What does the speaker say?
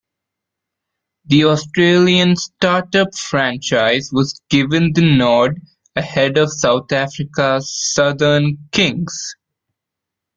The Australian start-up franchise was given the nod ahead of South Africa's Southern Kings.